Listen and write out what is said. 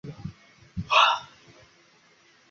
孰大孰小其实是个开放问题。